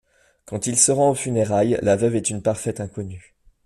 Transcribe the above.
Quand il se rend aux funérailles, la veuve est une parfaite inconnue.